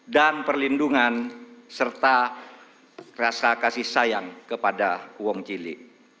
dan perlindungan serta rasa kasih sayang kepada uang cili